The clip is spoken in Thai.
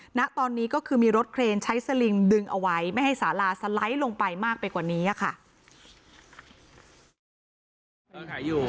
ณตอนนี้ก็คือมีรถเครนใช้สลิงดึงเอาไว้ไม่ให้สาลาสไลด์ลงไปมากไปกว่านี้ค่ะ